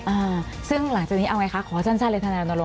อ่าซึ่งหลังจากนี้เอาไงคะขอสั้นเลยทนายอนโรง